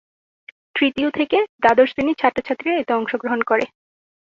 তৃতীয় থেকে দ্বাদশ শ্রেণীর ছাত্র-ছাত্রীরা এতে অংশগ্রহণ করে।